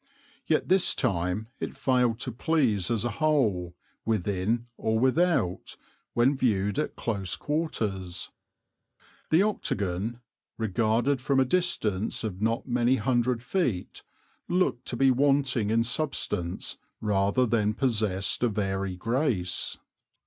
Yet this time it failed to please as a whole, within or without, when viewed at close quarters. The octagon, regarded from a distance of not many hundred feet, looked to be wanting in substance rather than possessed of airy grace.